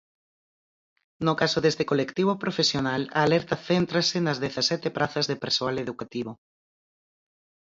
No caso deste colectivo profesional a alerta céntrase nas dezasete prazas de persoal educativo.